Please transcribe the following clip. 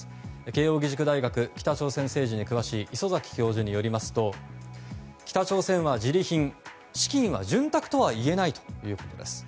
慶應義塾大学北朝鮮政治に詳しい礒崎教授によりますと北朝鮮はジリ貧資金は潤沢とは言えないということです。